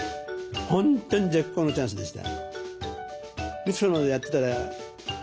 本当に絶好のチャンスでした。